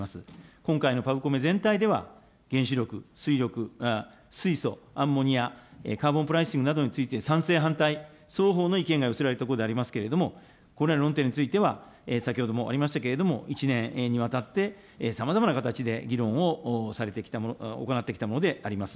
今回のパブコメ全体では、原子力、水素、アンモニア、カーボンプライシングなどについて賛成、反対、双方の意見が寄せられたことでありますけれども、これらの論点については、先ほどもありましたけれども、１年にわたってさまざまな形で議論を行ってきたものであります。